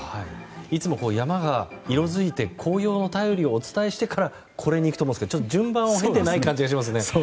いつも山が色づいて紅葉の便りをお伝えしてからこれにいくと思いますけど順番を見ていない感じがしますね。